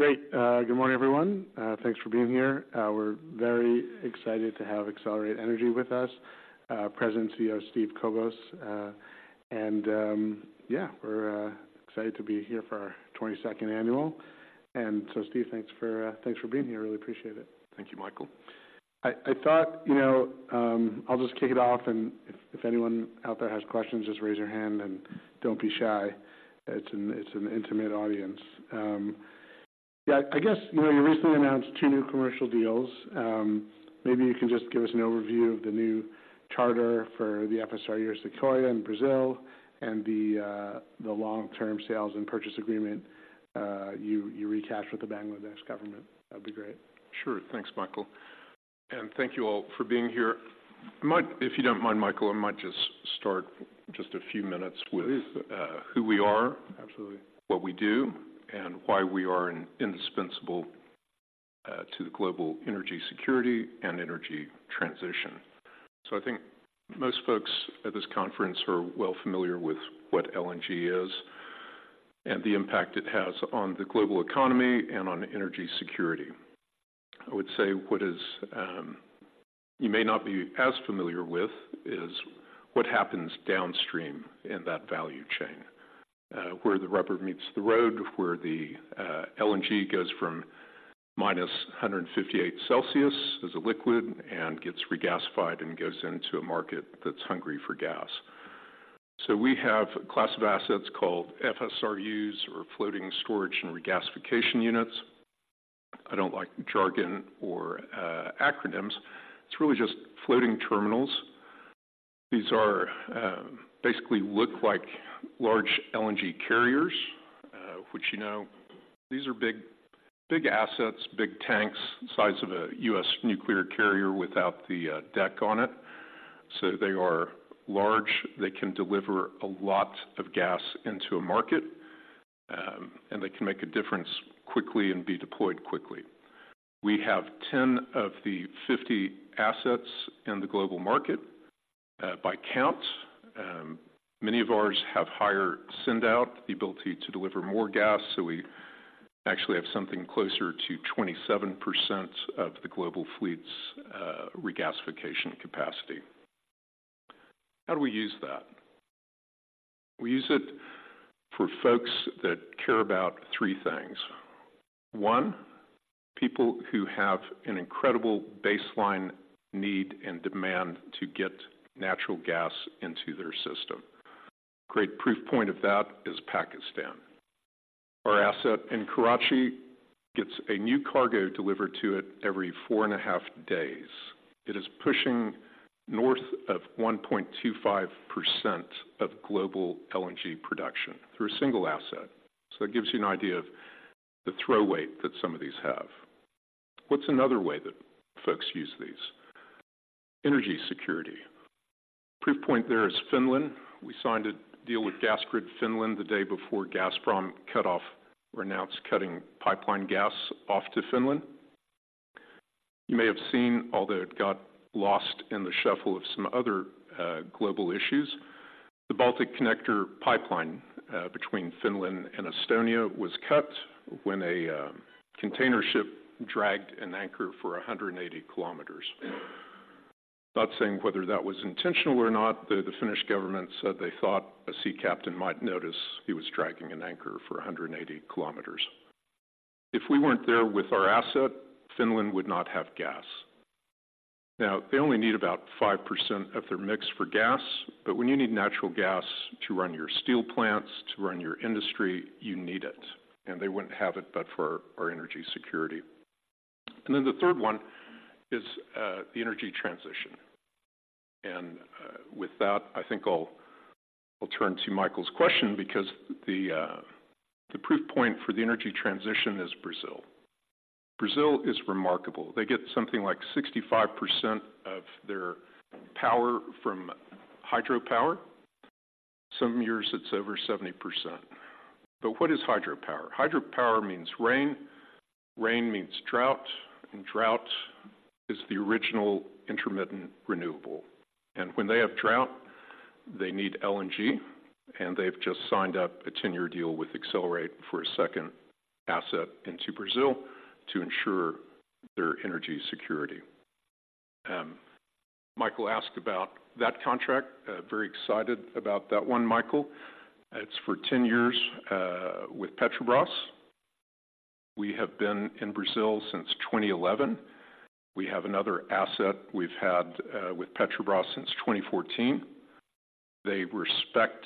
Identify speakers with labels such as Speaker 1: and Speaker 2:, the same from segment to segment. Speaker 1: Great. Good morning, everyone. Thanks for being here. We're very excited to have Excelerate Energy with us, President CEO Steve Kobos. And, yeah, we're excited to be here for our 22nd annual. So Steve, thanks for being here. I really appreciate it.
Speaker 2: Thank you, Michael. I thought, you know, I'll just kick it off, and if anyone out there has questions, just raise your hand and don't be shy. It's an intimate audience. Yeah, I guess, you know, you recently announced two new commercial deals. Maybe you can just give us an overview of the new charter for the FSRU Sequoia in Brazil and the long-term sales and purchase agreement you re-signed with the Bangladesh government. That'd be great.
Speaker 3: Sure. Thanks, Michael, and thank you all for being here. If you don't mind, Michael, I might just start a few minutes with-
Speaker 1: Please.
Speaker 2: who we are
Speaker 1: Absolutely.
Speaker 2: what we do, and why we are indispensable to the global energy security and energy transition. So I think most folks at this conference are well familiar with what LNG is and the impact it has on the global economy and on energy security. I would say what you may not be as familiar with is what happens downstream in that value chain, where the rubber meets the road, where the LNG goes from minus 158 degrees Celsius as a liquid and gets regasified and goes into a market that's hungry for gas. So we have a class of assets called FSRUs or floating storage and regasification units. I don't like jargon or acronyms. It's really just floating terminals. These are basically look like large LNG carriers, which, you know, these are big, big assets, big tanks, size of a U.S. nuclear carrier without the deck on it. So they are large, they can deliver a lot of gas into a market, and they can make a difference quickly and be deployed quickly. We have 10 of the 50 assets in the global market by count. Many of ours have higher send-out, the ability to deliver more gas, so we actually have something closer to 27% of the global fleet's regasification capacity. How do we use that? We use it for folks that care about three things. One, people who have an incredible baseline need and demand to get natural gas into their system. Great proof point of that is Pakistan. Our asset in Karachi gets a new cargo delivered to it every 4.5 days. It is pushing north of 1.25% of global LNG production through a single asset. So that gives you an idea of the throw weight that some of these have. What's another way that folks use these? Energy security. Proof point there is Finland. We signed a deal with Gasgrid Finland the day before Gazprom cut off or announced cutting pipeline gas off to Finland. You may have seen, although it got lost in the shuffle of some other global issues, the Balticconnector pipeline between Finland and Estonia was cut when a container ship dragged an anchor for 180 kilometers. Not saying whether that was intentional or not, the Finnish government said they thought a sea captain might notice he was dragging an anchor for 180 kilometers. If we weren't there with our asset, Finland would not have gas. Now, they only need about 5% of their mix for gas, but when you need natural gas to run your steel plants, to run your industry, you need it, and they wouldn't have it, but for our energy security. And then the third one is the energy transition. And with that, I think I'll, I'll turn to Michael's question because the proof point for the energy transition is Brazil. Brazil is remarkable. They get something like 65% of their power from hydropower. Some years it's over 70%. But what is hydropower? Hydropower means rain, rain means drought, and drought is the original intermittent renewable. When they have drought, they need LNG, and they've just signed up a ten-year deal with Excelerate for a second asset into Brazil to ensure their energy security. Michael asked about that contract. Very excited about that one, Michael. It's for 10 years with Petrobras. We have been in Brazil since 2011. We have another asset we've had with Petrobras since 2014. They respect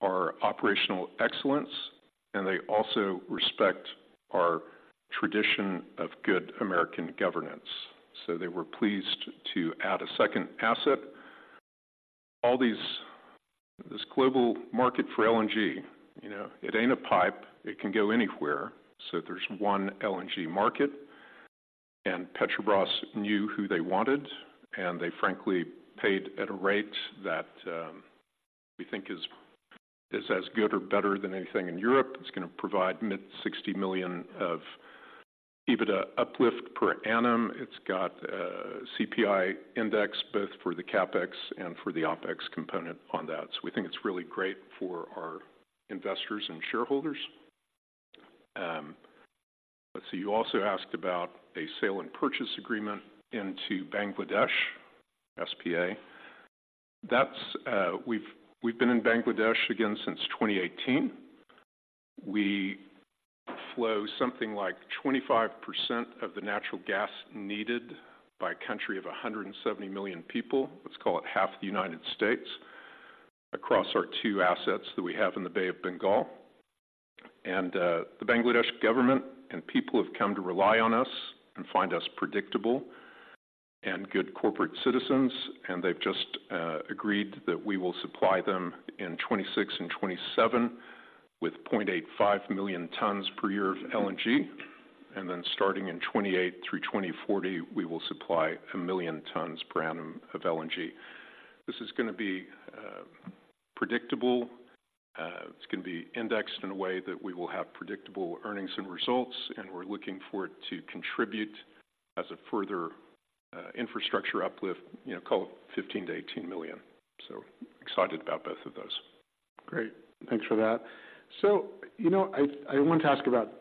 Speaker 2: our operational excellence, and they also respect our tradition of good American governance. So they were pleased to add a second asset. All this global market for LNG, you know, it ain't a pipe, it can go anywhere. So there's one LNG market, and Petrobras knew who they wanted, and they frankly paid at a rate that we think is as good or better than anything in Europe. It's gonna provide $60 million of EBITDA uplift per annum. It's got a CPI index, both for the CapEx and for the OpEx component on that. So we think it's really great for our investors and shareholders. Let's see. You also asked about a sale and purchase agreement into Bangladesh, SPA. That's we've been in Bangladesh again, since 2018. We flow something like 25% of the natural gas needed by a country of 170 million people, let's call it half the United States, across our two assets that we have in the Bay of Bengal. The Bangladesh government and people have come to rely on us and find us predictable and good corporate citizens, and they've just agreed that we will supply them in 2026 and 2027 with 0.85 million tons per year of LNG. Then starting in 2028 through 2040, we will supply 1 million tons per annum of LNG. This is gonna be predictable. It's gonna be indexed in a way that we will have predictable earnings and results, and we're looking for it to contribute as a further infrastructure uplift, you know, call it $15 to 18 million. So excited about both of those.
Speaker 1: Great. Thanks for that. So, you know, I want to ask about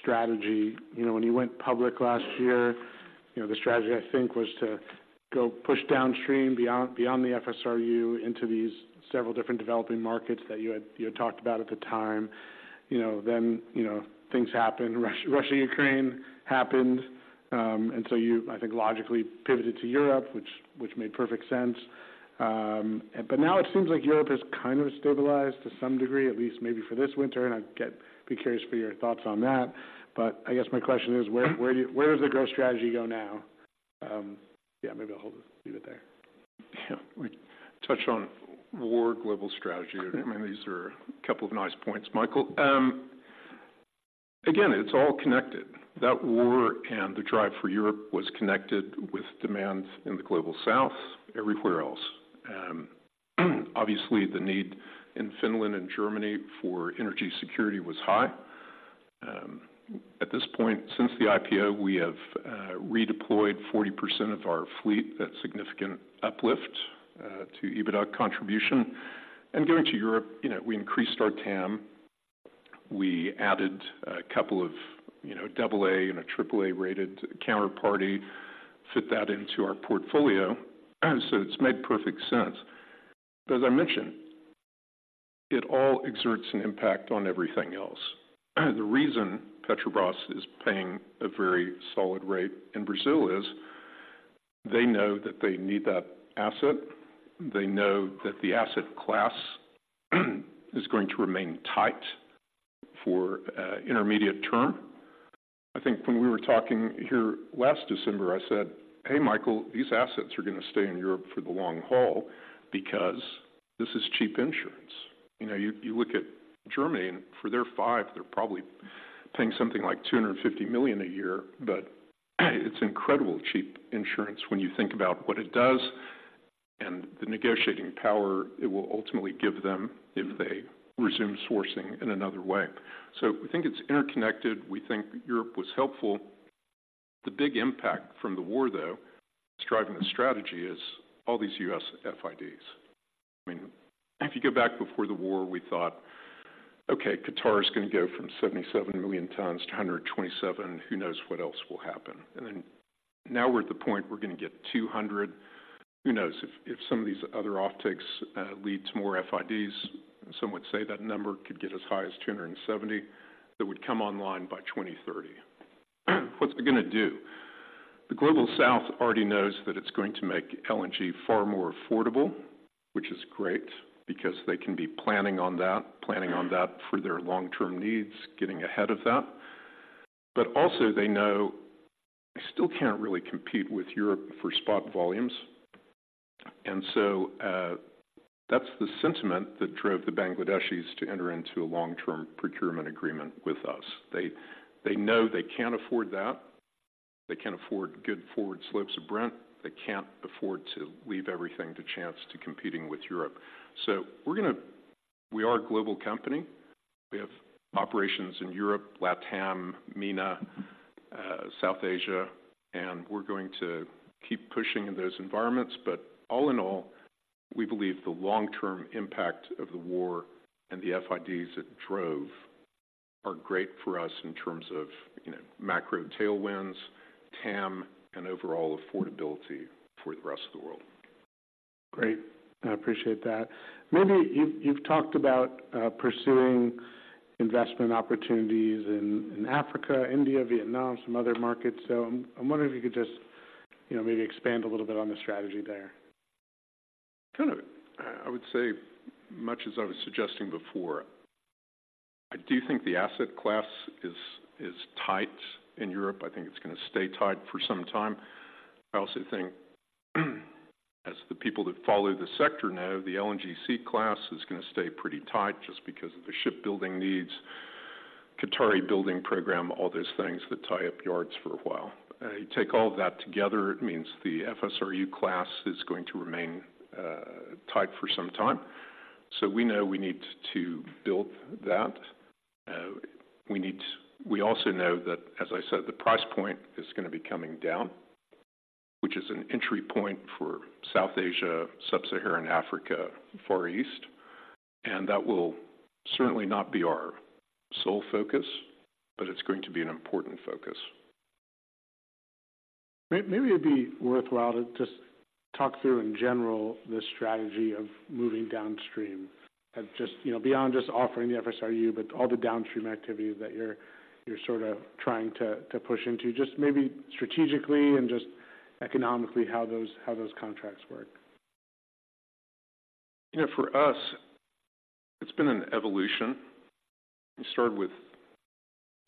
Speaker 1: strategy. You know, when you went public last year, you know, the strategy I think was to go push downstream, beyond the FSRU into these several different developing markets that you had talked about at the time. You know, then, you know, things happened, Russia, Ukraine happened. And so you, I think, logically pivoted to Europe, which made perfect sense. But now it seems like Europe has kind of stabilized to some degree, at least maybe for this winter, and I'd be curious for your thoughts on that. But I guess my question is: Where does the growth strategy go now? Yeah, maybe I'll leave it there.
Speaker 2: Yeah. We touched on war, global strategy. I mean, these are a couple of nice points, Michael. Again, it's all connected. That war and the drive for Europe was connected with demands in the Global South, everywhere else. Obviously, the need in Finland and Germany for energy security was high. At this point, since the IPO, we have redeployed 40% of our fleet. That's significant uplift to EBITDA contribution. And going to Europe, you know, we increased our TAM. We added a couple of, you know, double-A and triple-A-rated counterparty, fit that into our portfolio, so it's made perfect sense. As I mentioned, it all exerts an impact on everything else. The reason Petrobras is paying a very solid rate in Brazil is they know that they need that asset, they know that the asset class is going to remain tight for intermediate term. I think when we were talking here last December, I said, "Hey, Michael, these assets are gonna stay in Europe for the long haul because this is cheap insurance." You know, you look at Germany, and for their five, they're probably paying something like $250 million a year. But it's incredibly cheap insurance when you think about what it does and the negotiating power it will ultimately give them if they resume sourcing in another way. So we think it's interconnected. We think Europe was helpful. The big impact from the war, though, driving the strategy, is all these US FIDs. I mean, if you go back before the war, we thought, okay, Qatar is gonna go from 77 million tons to 127. Who knows what else will happen? And then, now we're at the point we're gonna get 200. Who knows? If, if some of these other off takes lead to more FIDs, some would say that number could get as high as 270. That would come online by 2030. What's it gonna do? The Global South already knows that it's going to make LNG far more affordable, which is great because they can be planning on that, planning on that for their long-term needs, getting ahead of that. But also, they know they still can't really compete with Europe for spot volumes. And so, that's the sentiment that drove the Bangladeshis to enter into a long-term procurement agreement with us. They, they know they can't afford that. They can't afford good forward slopes of Brent. They can't afford to leave everything to chance to competing with Europe. So we're gonna—we are a global company. We have operations in Europe, LatAm, MENA, South Asia, and we're going to keep pushing in those environments. But all in all, we believe the long-term impact of the war and the FIDs it drove are great for us in terms of, you know, macro tailwinds, TAM, and overall affordability for the rest of the world.
Speaker 1: Great. I appreciate that. Maybe you've talked about pursuing investment opportunities in Africa, India, Vietnam, some other markets. So I'm wondering if you could just, you know, maybe expand a little bit on the strategy there.
Speaker 2: Kind of, I would say much as I was suggesting before, I do think the asset class is tight in Europe. I think it's gonna stay tight for some time. I also think, as the people that follow the sector know, the LNGC class is gonna stay pretty tight just because of the shipbuilding needs, Qatari building program, all those things that tie up yards for a while. You take all of that together, it means the FSRU class is going to remain tight for some time. So we know we need to build that. We also know that, as I said, the price point is gonna be coming down, which is an entry point for South Asia, sub-Saharan Africa, Far East, and that will certainly not be our sole focus, but it's going to be an important focus.
Speaker 1: Maybe it'd be worthwhile to just talk through, in general, the strategy of moving downstream. And just, you know, beyond just offering the FSRU, but all the downstream activities that you're sort of trying to push into, just maybe strategically and just economically, how those contracts work.
Speaker 2: You know, for us, it's been an evolution. We started with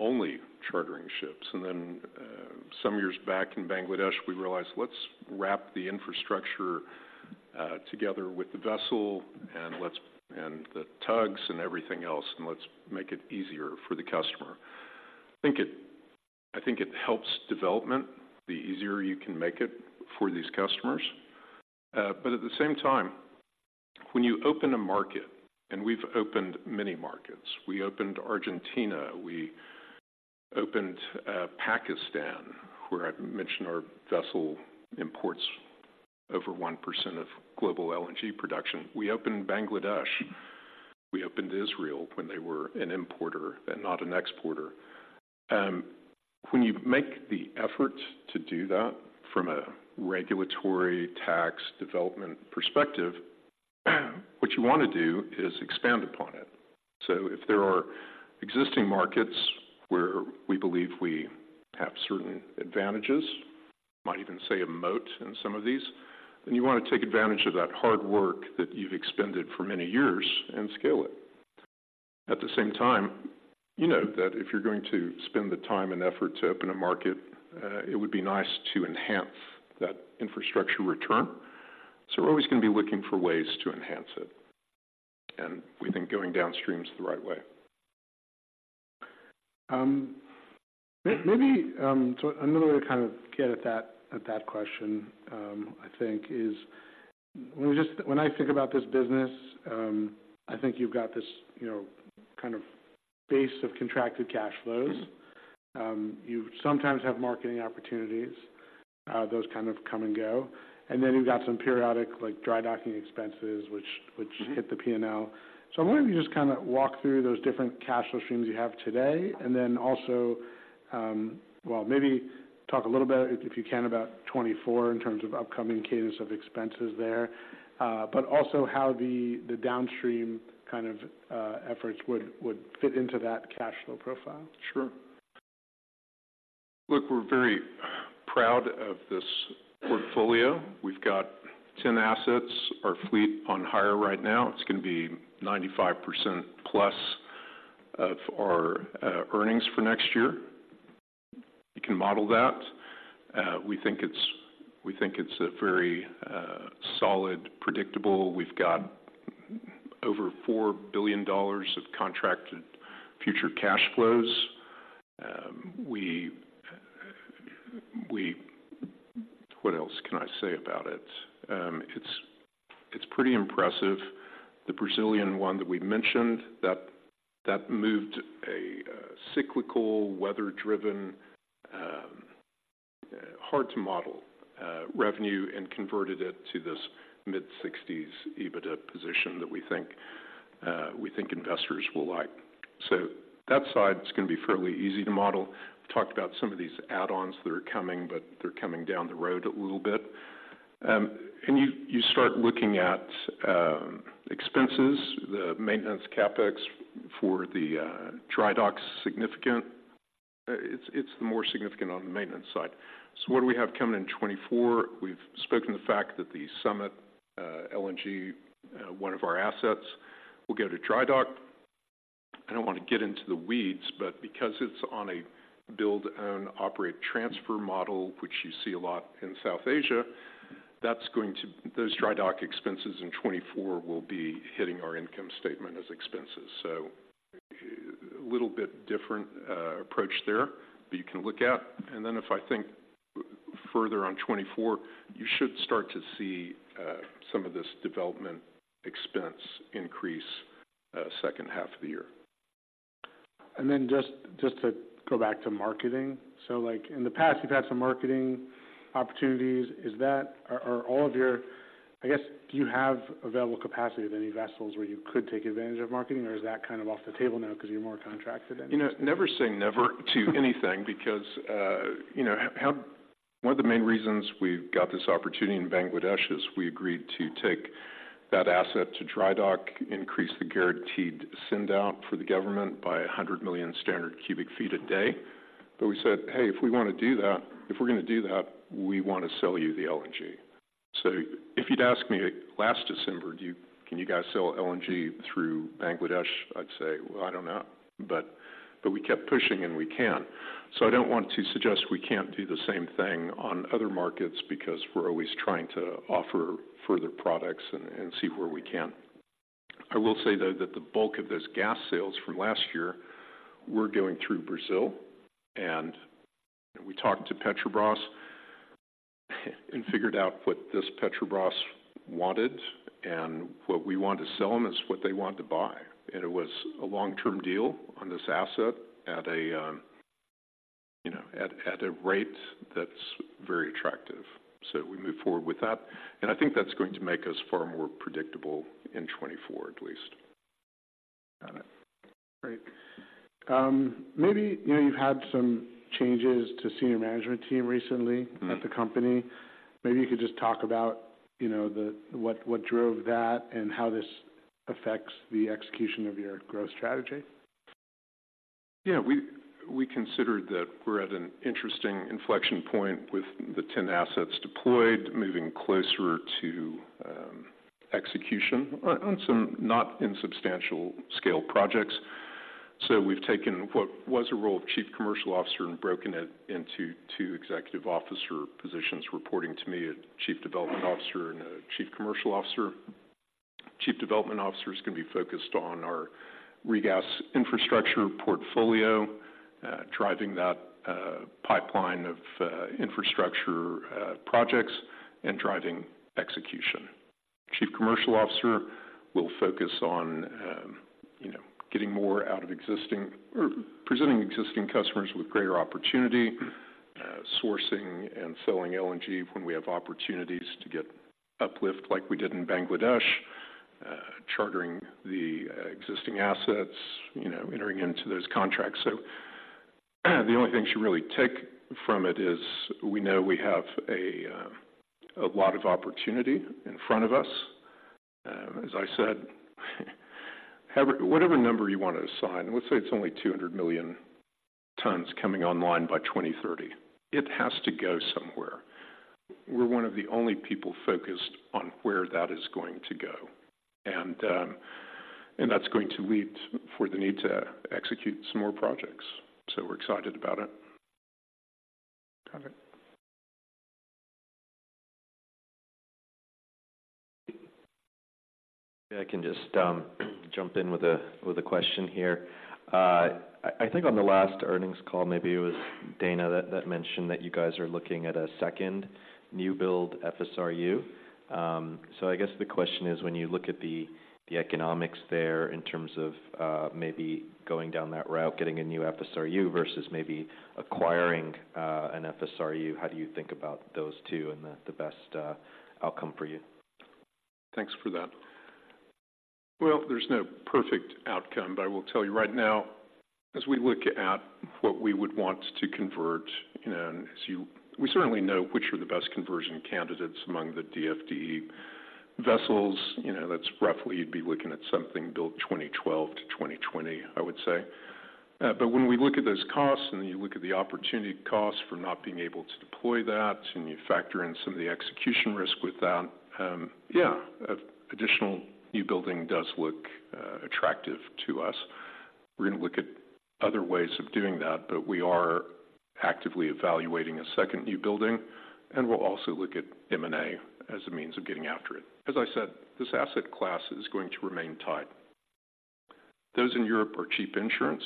Speaker 2: only chartering ships, and then some years back in Bangladesh, we realized, let's wrap the infrastructure together with the vessel, and the tugs and everything else, and let's make it easier for the customer. I think it, I think it helps development, the easier you can make it for these customers. But at the same time, when you open a market, and we've opened many markets. We opened Argentina, we opened Pakistan, where I mentioned our vessel imports over 1% of global LNG production. We opened Bangladesh. We opened Israel when they were an importer and not an exporter. When you make the effort to do that from a regulatory tax development perspective, what you wanna do is expand upon it. So if there are existing markets where we believe we have certain advantages, might even say a moat in some of these, then you wanna take advantage of that hard work that you've expended for many years and scale it. At the same time, you know that if you're going to spend the time and effort to open a market, it would be nice to enhance that infrastructure return. So we're always gonna be looking for ways to enhance it, and we think going downstream is the right way.
Speaker 1: Maybe, so another way to kind of get at that question, I think, is when I think about this business, I think you've got this, you know, kind of base of contracted cash flows. You sometimes have marketing opportunities, those kind of come and go. And then you've got some periodic, like, dry docking expenses, which, which-
Speaker 2: Mm-hmm.
Speaker 1: -hit the P&L. So I wonder if you just kinda walk through those different cash flow streams you have today, and then also, well, maybe talk a little bit, if you can, about 2024 in terms of upcoming cadence of expenses there, but also how the, the downstream kind of efforts would fit into that cash flow profile.
Speaker 2: Sure. Look, we're very proud of this portfolio. We've got 10 assets. Our fleet on hire right now, it's gonna be 95%+ of our earnings for next year. You can model that. We think it's a very solid, predictable. We've got over $4 billion of contracted future cash flows. We—what else can I say about it? It's pretty impressive. The Brazilian one that we mentioned, that moved a cyclical, weather-driven, hard-to-model revenue and converted it to this mid-60s EBITDA position that we think investors will like. So that side is gonna be fairly easy to model. We talked about some of these add-ons that are coming, but they're coming down the road a little bit. And you start looking at expenses, the maintenance CapEx for the dry dock's significant. It's more significant on the maintenance side. So what do we have coming in 2024? We've spoken the fact that the Summit LNG, one of our assets, will go to dry dock. I don't wanna get into the weeds, but because it's on a build-own, operate, transfer model, which you see a lot in South Asia, that's going to those dry dock expenses in 2024 will be hitting our income statement as expenses. So a little bit different approach there, but you can look at. And then if I think further on 2024, you should start to see some of this development expense increase second half of the year.
Speaker 1: And then just to go back to marketing. So like, in the past, you've had some marketing opportunities. Is that... Are all of your—I guess, do you have available capacity of any vessels where you could take advantage of marketing, or is that kind of off the table now because you're more contracted?
Speaker 2: You know, never say never to anything because, you know, one of the main reasons we've got this opportunity in Bangladesh is we agreed to take that asset to dry dock, increase the guaranteed send-out for the government by 100 million standard cubic feet a day. But we said, "Hey, if we wanna do that, if we're gonna do that, we wanna sell you the LNG." So if you'd asked me last December, "Can you guys sell LNG through Bangladesh?" I'd say, "Well, I don't know." But, but we kept pushing, and we can. So I don't want to suggest we can't do the same thing on other markets, because we're always trying to offer further products and, and see where we can. I will say, though, that the bulk of those gas sales from last year were going through Brazil, and we talked to Petrobras and figured out what this Petrobras wanted, and what we want to sell them is what they want to buy. And it was a long-term deal on this asset at a, you know, at a rate that's very attractive. So we moved forward with that, and I think that's going to make us far more predictable in 2024, at least.
Speaker 1: Got it. Great. Maybe, you know, you've had some changes to senior management team recently-
Speaker 2: Mm.
Speaker 1: at the company. Maybe you could just talk about, you know, the—what, what drove that, and how this affects the execution of your growth strategy.
Speaker 2: Yeah, we considered that we're at an interesting inflection point with the 10 assets deployed, moving closer to execution on some not insubstantial scale projects. So we've taken what was a role of Chief Commercial Officer and broken it into two executive officer positions, reporting to me, a Chief Development Officer and a Chief Commercial Officer. Chief Development Officer is going to be focused on our regas infrastructure portfolio, driving that pipeline of infrastructure projects and driving execution. Chief Commercial Officer will focus on, you know, getting more out of existing-- or presenting existing customers with greater opportunity, sourcing and selling LNG when we have opportunities to get uplift, like we did in Bangladesh, chartering the existing assets, you know, entering into those contracts. So the only thing you should really take from it is, we know we have a lot of opportunity in front of us. As I said, whatever number you want to assign, let's say it's only 200 million tons coming online by 2030, it has to go somewhere. We're one of the only people focused on where that is going to go. And that's going to lead for the need to execute some more projects. So we're excited about it.
Speaker 1: Got it. I can just jump in with a question here. I think on the last earnings call, maybe it was Dana that mentioned that you guys are looking at a second new build FSRU. So I guess the question is, when you look at the economics there, in terms of maybe going down that route, getting a new FSRU versus maybe acquiring an FSRU, how do you think about those two and the best outcome for you?
Speaker 2: Thanks for that. Well, there's no perfect outcome, but I will tell you right now, as we look at what we would want to convert, you know, and as we certainly know which are the best conversion candidates among the DFDE vessels. You know, that's roughly you'd be looking at something built 2012-2020, I would say. But when we look at those costs, and you look at the opportunity costs for not being able to deploy that, and you factor in some of the execution risk with that, yeah, additional new building does look attractive to us. We're going to look at other ways of doing that, but we are actively evaluating a second new building, and we'll also look at M&A as a means of getting after it. As I said, this asset class is going to remain tight. Those in Europe are cheap insurance.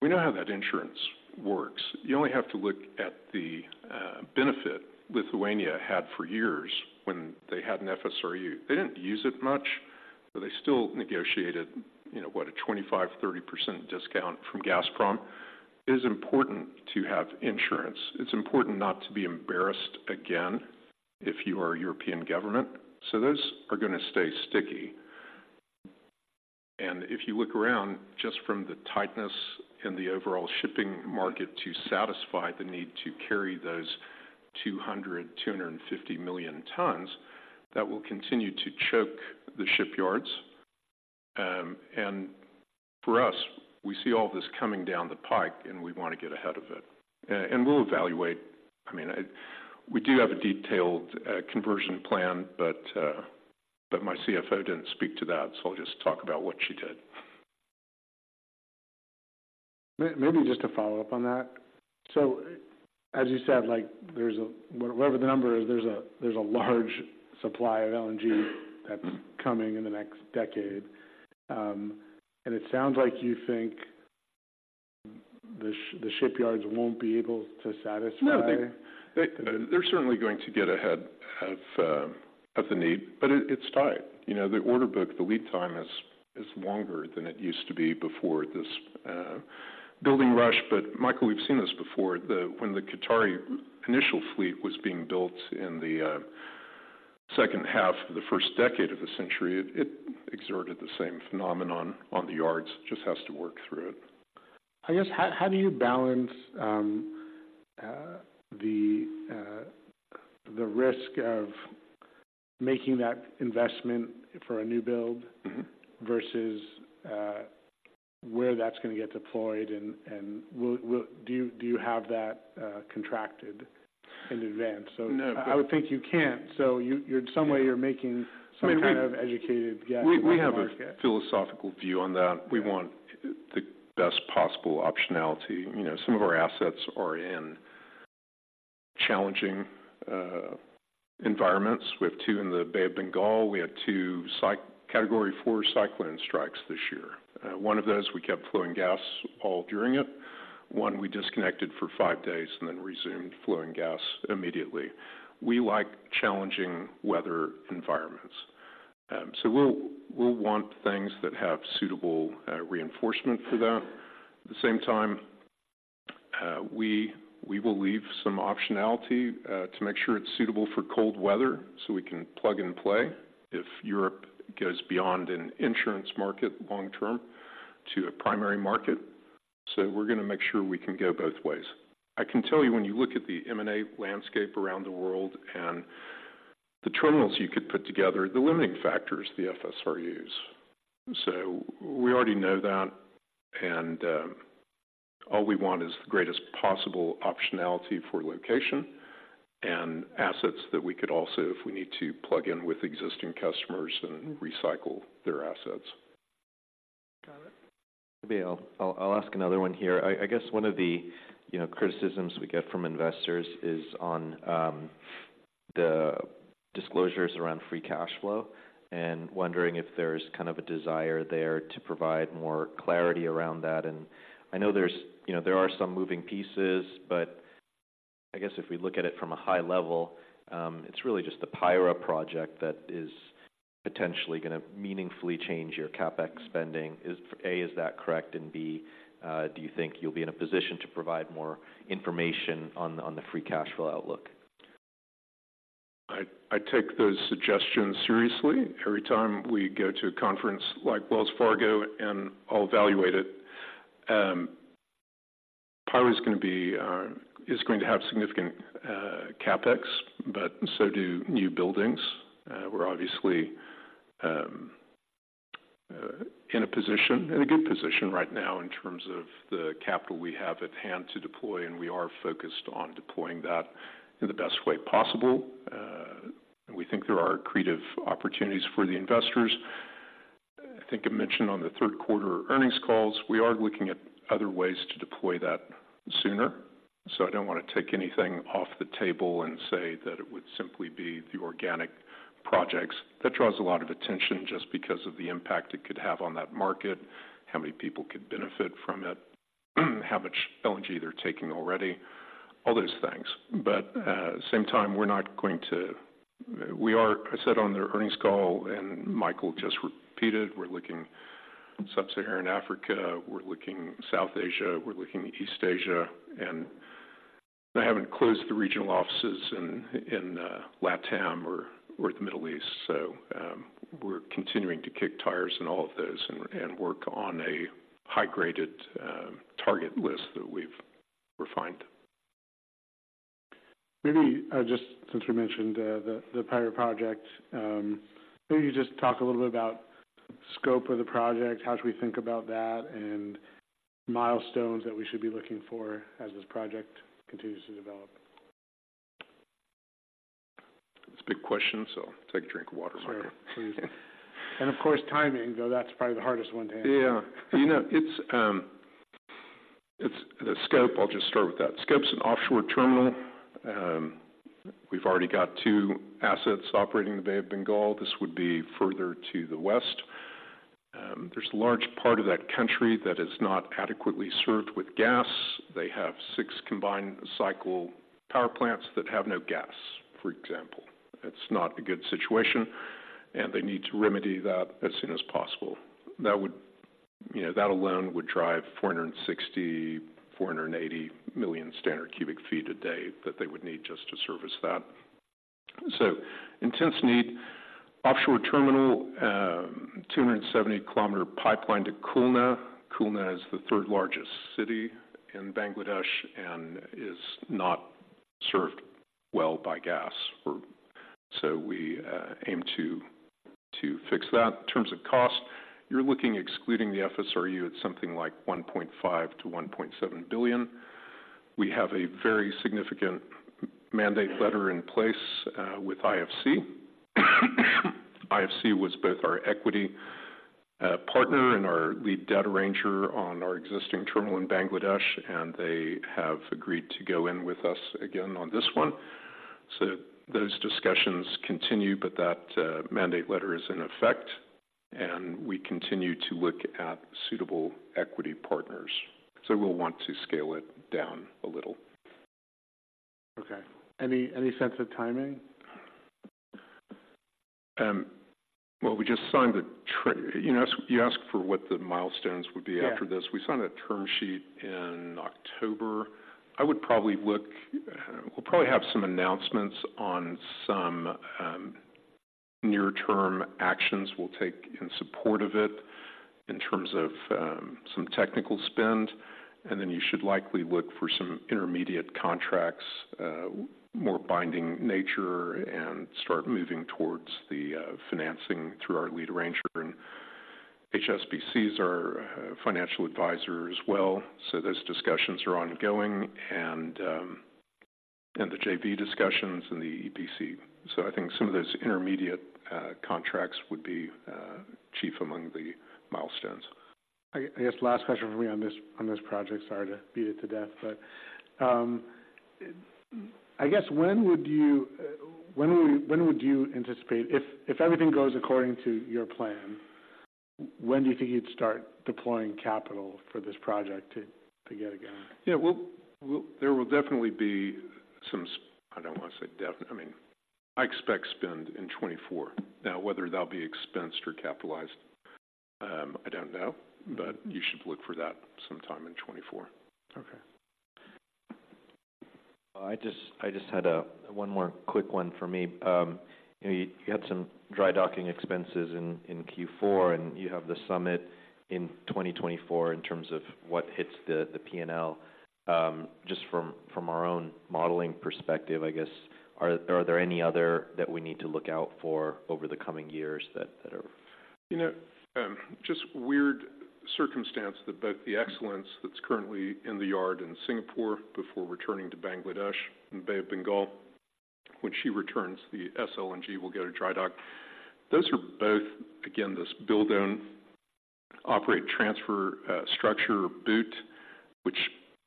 Speaker 2: We know how that insurance works. You only have to look at the benefit Lithuania had for years when they had an FSRU. They didn't use it much, but they still negotiated, you know what? A 25% to 30% discount from Gazprom. It is important to have insurance. It's important not to be embarrassed again if you are a European government. So those are gonna stay sticky. And if you look around, just from the tightness in the overall shipping market, to satisfy the need to carry those 200-250 million tons, that will continue to choke the shipyards. And for us, we see all this coming down the pike, and we want to get ahead of it. And we'll evaluate... I mean, we do have a detailed conversion plan, but, but my CFO didn't speak to that, so I'll just talk about what she did.
Speaker 1: Maybe just to follow up on that. So as you said, like, there's a, whatever the number is, there's a large supply of LNG that's coming in the next decade. And it sounds like you think the shipyards won't be able to satisfy-
Speaker 2: No, they're certainly going to get ahead of the need, but it's tight. You know, the order book, the lead time is longer than it used to be before this building rush. But Michael, we've seen this before. When the Qatari initial fleet was being built in the second half of the first decade of the century, it exerted the same phenomenon on the yards. It just has to work through it.
Speaker 1: I guess, how do you balance the risk of making that investment for a new build versus where that's gonna get deployed, and will—do you have that contracted in advance? So-
Speaker 2: No.
Speaker 1: I would think you can't. So you, you're-
Speaker 2: Yeah...
Speaker 1: in some way, you're making some-
Speaker 2: I mean, we-
Speaker 1: kind of educated guess about the market.
Speaker 2: We have a philosophical view on that.
Speaker 1: Yeah.
Speaker 2: We want the best possible optionality. You know, some of our assets are in challenging environments. We have two in the Bay of Bengal. We had two category four cyclone strikes this year. One of those, we kept flowing gas all during it. One, we disconnected for five days and then resumed flowing gas immediately. We like challenging weather environments. So we'll want things that have suitable reinforcement for that. At the same time, we will leave some optionality to make sure it's suitable for cold weather, so we can plug and play if Europe goes beyond an insurance market long term to a primary market. So we're gonna make sure we can go both ways. I can tell you, when you look at the M&A landscape around the world and the terminals you could put together, the limiting factor is the FSRUs. So we already know that, and all we want is the greatest possible optionality for location and assets that we could also, if we need to, plug in with existing customers and recycle their assets.
Speaker 1: Got it. Maybe I'll ask another one here. I guess one of the, you know, criticisms we get from investors is on the disclosures around free cash flow, and wondering if there's kind of a desire there to provide more clarity around that. I know there's, you know, there are some moving pieces, but I guess if we look at it from a high level, it's really just the Payra project that is potentially gonna meaningfully change your CapEx spending. Is A, is that correct? And B, do you think you'll be in a position to provide more information on the free cash flow outlook?
Speaker 2: I take those suggestions seriously every time we go to a conference like Wells Fargo, and I'll evaluate it. Payra's gonna be is going to have significant CapEx, but so do new buildings. We're obviously in a good position right now in terms of the capital we have at hand to deploy, and we are focused on deploying that in the best way possible. And we think there are accretive opportunities for the investors. I think I mentioned on the third quarter earnings calls, we are looking at other ways to deploy that sooner. So I don't want to take anything off the table and say that it would simply be the organic projects. That draws a lot of attention just because of the impact it could have on that market, how many people could benefit from it, how much LNG they're taking already, all those things. But, at the same time, we're not going to... I said on the earnings call, and Michael just repeated, we're looking sub-Saharan Africa, we're looking South Asia, we're looking East Asia, and I haven't closed the regional offices in, in, Latam or, or the Middle East. So, we're continuing to kick tires in all of those and work on a high-graded target list that we've refined.
Speaker 1: Maybe just since you mentioned the Payra project, maybe you just talk a little bit about scope of the project, how should we think about that, and milestones that we should be looking for as this project continues to develop?
Speaker 2: It's a big question, so take a drink of water.
Speaker 1: Sure, please. Of course, timing, though that's probably the hardest one to answer.
Speaker 2: Yeah. You know, it's the scope. I'll just start with that. Scope's an offshore terminal. We've already got two assets operating in the Bay of Bengal. This would be further to the west. There's a large part of that country that is not adequately served with gas. They have six combined cycle power plants that have no gas, for example. It's not a good situation, and they need to remedy that as soon as possible. That would, you know, that alone would drive 460-480 million standard cubic feet a day that they would need just to service that. So intense need. Offshore terminal, 270-kilometer pipeline to Khulna. Khulna is the third largest city in Bangladesh and is not served well by gas for... So we aim to fix that. In terms of cost, you're looking, excluding the FSRU, at something like $1.5 billion-$1.7 billion. We have a very significant mandate letter in place with IFC. IFC was both our equity partner and our lead debt arranger on our existing terminal in Bangladesh, and they have agreed to go in with us again on this one. So those discussions continue, but that mandate letter is in effect, and we continue to look at suitable equity partners. So we'll want to scale it down a little.
Speaker 1: Okay. Any sense of timing?
Speaker 2: Well, you know, you asked for what the milestones would be after this.
Speaker 1: Yeah.
Speaker 2: We signed a term sheet in October. I would probably look. We'll probably have some announcements on some near-term actions we'll take in support of it, in terms of some technical spend, and then you should likely look for some intermediate contracts, more binding nature and start moving towards the financing through our lead arranger. HSBC is our financial advisor as well, so those discussions are ongoing and the JV discussions and the EPC. I think some of those intermediate contracts would be chief among the milestones....
Speaker 1: I guess last question for me on this, on this project. Sorry to beat it to death, but I guess when would you anticipate—if everything goes according to your plan, when do you think you'd start deploying capital for this project to get it going?
Speaker 2: Yeah, well, there will definitely be some spend. I mean, I expect spend in 2024. Now, whether they'll be expensed or capitalized, I don't know, but you should look for that sometime in 2024.
Speaker 1: Okay. I just had one more quick one for me. You know, you had some dry docking expenses in Q4, and you have the Summit in 2024 in terms of what hits the PNL. Just from our own modeling perspective, I guess, are there any other that we need to look out for over the coming years that are-
Speaker 2: You know, just weird circumstance that both the Excellence that's currently in the yard in Singapore before returning to Bangladesh, in Bay of Bengal. When she returns, the Summit LNG will go to dry dock. Those are both, again, this build own operate transfer structure BOOT, which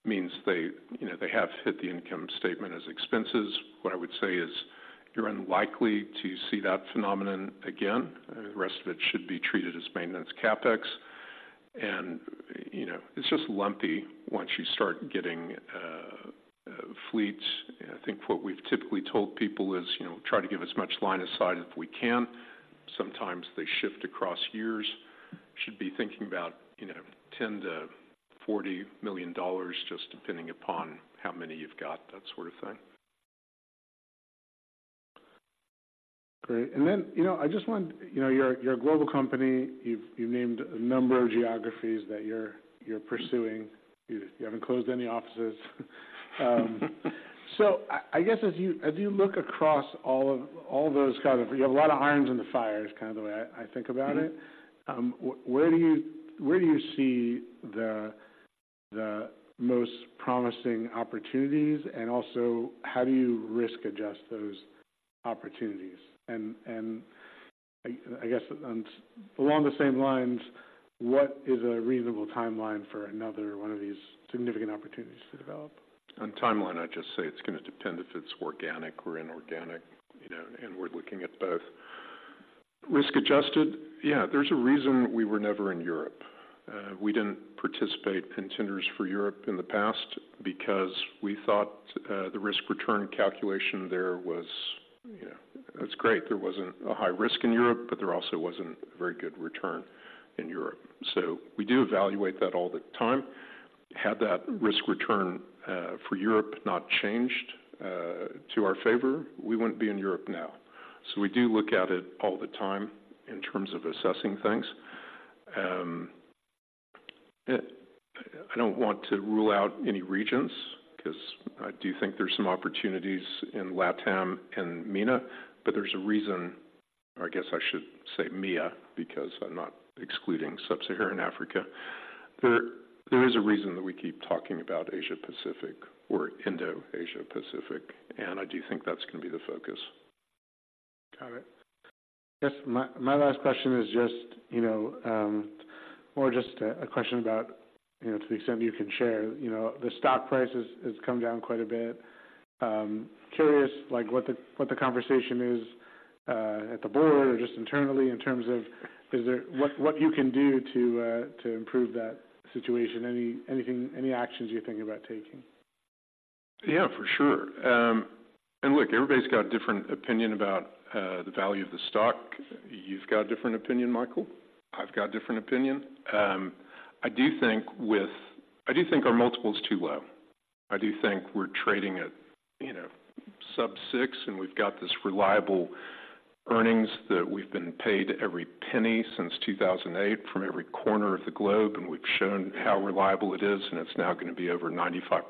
Speaker 2: means they, you know, they have hit the income statement as expenses. What I would say is you're unlikely to see that phenomenon again. The rest of it should be treated as maintenance CapEx. And, you know, it's just lumpy once you start getting fleets. I think what we've typically told people is, you know, try to give as much line aside as we can. Sometimes they shift across years. Should be thinking about, you know, $10 to 40 million, just depending upon how many you've got, that sort of thing.
Speaker 1: Great. And then, you know, I just want... You know, you're a, you're a global company. You've, you've named a number of geographies that you're, you're pursuing. You, you haven't closed any offices. So I guess, as you, as you look across all of, all those kind of—you have a lot of irons in the fires, kind of the way I, I think about it. Where do you, where do you see the, the most promising opportunities? And also, how do you risk adjust those opportunities? And, and I guess, and along the same lines, what is a reasonable timeline for another one of these significant opportunities to develop?
Speaker 2: On timeline, I'd just say it's going to depend if it's organic or inorganic, you know, and we're looking at both. Risk-adjusted? Yeah, there's a reason we were never in Europe. We didn't participate in tenders for Europe in the past because we thought, the risk-return calculation there was, you know, it's great. There wasn't a high risk in Europe, but there also wasn't a very good return in Europe. So we do evaluate that all the time. Had that risk return, for Europe not changed, to our favor, we wouldn't be in Europe now. So we do look at it all the time in terms of assessing things. I don't want to rule out any regions, 'cause I do think there's some opportunities in LatAm and MENA, but there's a reason, I guess I should say, MEA, because I'm not excluding sub-Saharan Africa. There is a reason that we keep talking about Asia-Pacific or Indo-Asia-Pacific, and I do think that's going to be the focus.
Speaker 1: Got it. I guess my last question is just, you know, more just a question about, you know, to the extent you can share, you know, the stock price has come down quite a bit. Curious, like, what the conversation is at the board or just internally in terms of what you can do to improve that situation? Anything, any actions you're thinking about taking?
Speaker 2: Yeah, for sure. And look, everybody's got a different opinion about the value of the stock. You've got a different opinion, Michael. I've got a different opinion. I do think our multiple is too low. I do think we're trading at, you know, sub 6, and we've got this reliable earnings that we've been paid every penny since 2008 from every corner of the globe, and we've shown how reliable it is, and it's now going to be over 95%.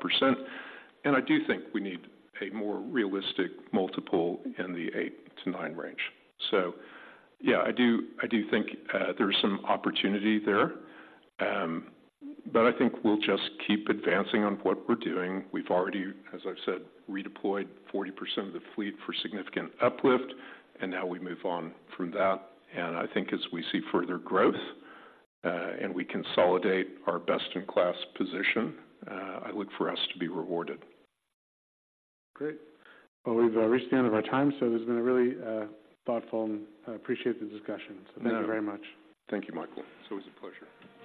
Speaker 2: And I do think we need a more realistic multiple in the 8 to 9 range. So yeah, I do, I do think there is some opportunity there. But I think we'll just keep advancing on what we're doing. We've already, as I've said, redeployed 40% of the fleet for significant uplift, and now we move on from that. I think as we see further growth, and we consolidate our best-in-class position, I look for us to be rewarded.
Speaker 1: Great. Well, we've reached the end of our time, so it's been a really thoughtful and I appreciate the discussion.
Speaker 2: No.
Speaker 1: Thank you very much.
Speaker 2: Thank you, Michael. It's always a pleasure.